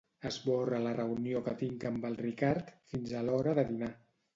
Esborra la reunió que tinc amb el Ricard fins a l'hora de dinar.